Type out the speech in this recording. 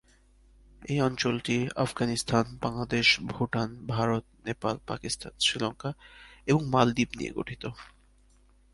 এই অঞ্চলটি আফগানিস্তান, বাংলাদেশ, ভুটান, ভারত, নেপাল, পাকিস্তান, শ্রীলঙ্কা এবং মালদ্বীপ নিয়ে গঠিত।